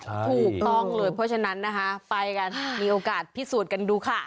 ถูกต้องเลยเพราะฉะนั้นนะคะไปกันมีโอกาสพิสูจน์กันดูค่ะ